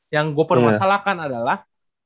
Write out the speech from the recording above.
yang gue pernah masalahkan adalah